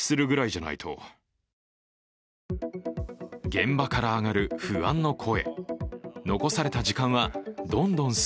現場から上がる不安の声。